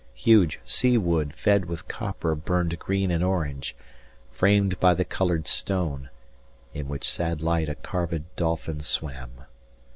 Huge sea wood fed with copper Burned green and orange, framed by the coloured stone, 95 In which sad light a carvèd dolphin swam.